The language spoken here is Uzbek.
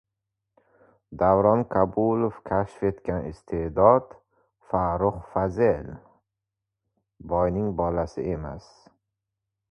Davron Kabulov kashf etgan iste’dod Farruh Fazel — boyning bolasi emas